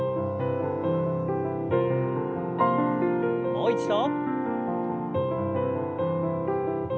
もう一度。